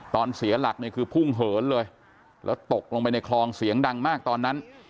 เสียหลักเนี่ยคือพุ่งเหินเลยแล้วตกลงไปในคลองเสียงดังมากตอนนั้น